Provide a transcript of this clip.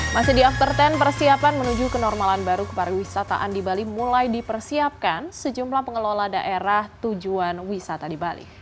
masih di after sepuluh persiapan menuju kenormalan baru kepariwisataan di bali mulai dipersiapkan sejumlah pengelola daerah tujuan wisata di bali